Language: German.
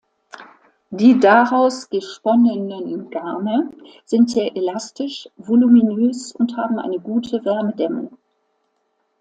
Die daraus gesponnen Garne sind sehr elastisch, voluminös und haben eine gute Wärmedämmung.